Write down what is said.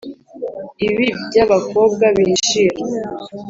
Ibi byabakobwa bihishira